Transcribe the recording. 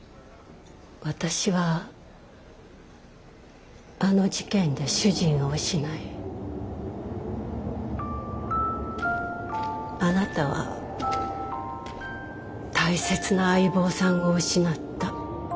私はあの事件で主人を失いあなたは大切な相棒さんを失った。